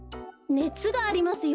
ねつがありますよ。